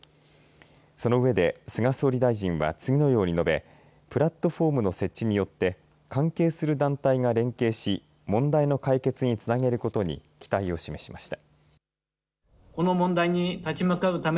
その上で菅総理大臣は次のように述べプラットホームの設置によって関係する団体が連携し問題の解決につなげることに期待を示しました。